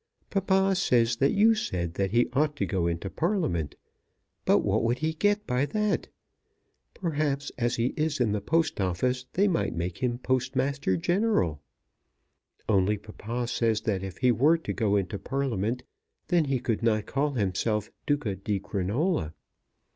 Papa says that you said that he ought to go into Parliament. But what would he get by that? Perhaps as he is in the Post Office they might make him Postmaster General. Only papa says that if he were to go into Parliament, then he could not call himself Duca di Crinola.